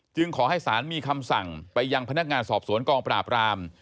ขอให้ศาลมีคำสั่งไปยังพนักงานสอบสวนกองปราบราม